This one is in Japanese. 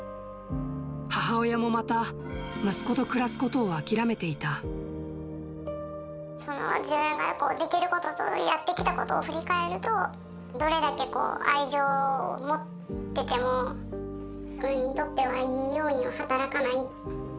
母親もまた、自分ができることと、やってきたことを振り返ると、どれだけ愛情を持ってても、息子にとってはいいように働かない。